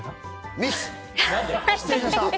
ミス。